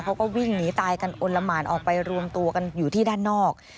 เขาก็วิ่งหนีตายกันอลละหมานออกไปรวมตัวกันอยู่ที่ด้านนอก